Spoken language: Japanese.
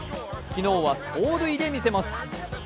昨日は走塁で見せます。